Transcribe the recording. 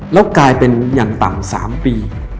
แล้วกลายเป็นอย่างต่ำ๓ปี